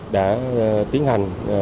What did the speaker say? đã tiến hành